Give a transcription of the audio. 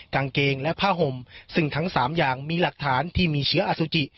กางเกงและผ้าห่มซึ่งทั้งสามอย่างมีหลักฐานที่มีเชื้ออสุจิ